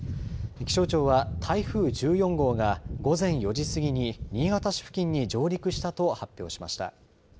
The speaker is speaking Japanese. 気象庁は台風１４号が午前４時過ぎに新潟市付近に上陸したと発表しました。